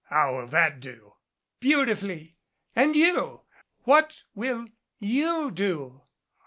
How will that do?" "Beautifully. And you what will you do?"